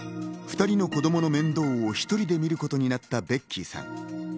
２人の子供の面倒を１人でみることになったベッキーさん。